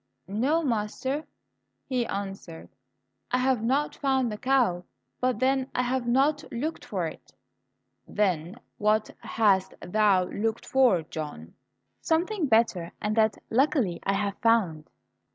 "No, master," he answered, "I have not found the cow, but then I have not looked for it." "Then what hast thou looked for, John?" "Something better, and that luckily I have found."